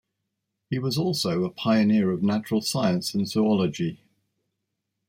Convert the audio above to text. He was also a pioneer of natural science and zoology.